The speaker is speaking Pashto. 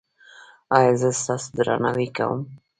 ایا زه ستاسو درناوی کوم؟